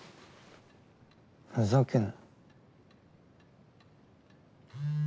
ふざけんな。